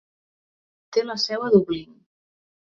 Té la seu a Dublín.